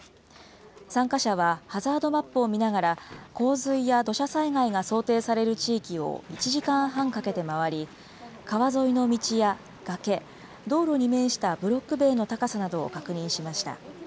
参加者はハザードマップを見ながら、洪水や土砂災害が想定される地域を１時間半かけて回り、川沿いの道や崖、道路に面したブロック塀の高さなどを確認しました。